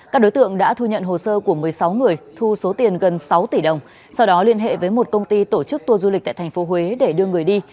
các đối tượng đã thu nhận hồ sơ của một mươi sáu người thu số tiền gần sáu tỷ đồng sau đó liên hệ với một công ty tổ chức tour du lịch tại tp huế để đưa người đi